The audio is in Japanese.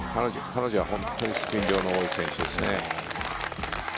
彼女は本当にスピン量の多い選手ですね。